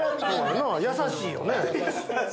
優しいよね。